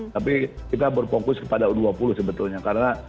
tapi kita berfokus kepada u dua puluh sebetulnya karena